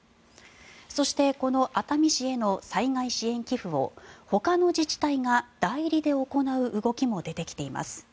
そして、この熱海市への災害支援寄付をほかの自治体が代理で行う動きも出てきています。